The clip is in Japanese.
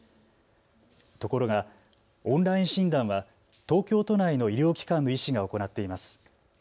ところがオンライン診断は東京都内の医療機関の医師が行っています。